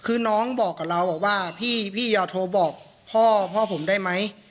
คือน้องบอกกับเราว่าพี่อย่าโทรบอกพ่อพ่อผมได้ไหม